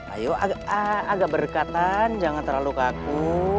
ayo agak berdekatan jangan terlalu kaku